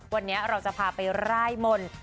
วันนี้เราจะพาไปร่ายมนต์